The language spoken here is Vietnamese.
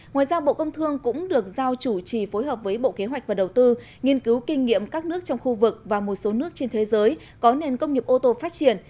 ngoài ra bộ công thương cũng được giao chủ trì phối hợp với bộ kế hoạch và đầu tư nghiên cứu kinh nghiệm các nước trong khu vực và một số nước trên thế giới có nền công nghiệp ô tô phát triển